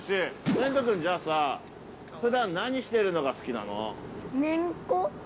れんと君、じゃあ、さあ、ふだん何してるのが好きなの？